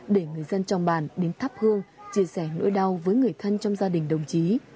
để người dân trong bàn đến thắp hương chia sẻ nỗi đau với người thân trong gia đình đồng chí